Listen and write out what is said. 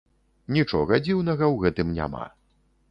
Нічога дзіўнага ў гэтым няма.